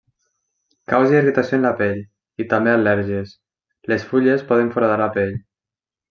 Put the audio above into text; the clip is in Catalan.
Causa irritació en la pell i també al·lèrgies, les fulles poden foradar la pell.